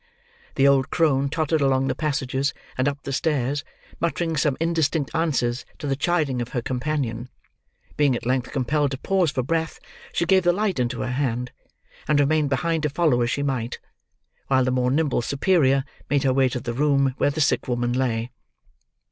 The old crone tottered along the passages, and up the stairs, muttering some indistinct answers to the chidings of her companion; being at length compelled to pause for breath, she gave the light into her hand, and remained behind to follow as she might: while the more nimble superior made her way to the room where the sick woman lay.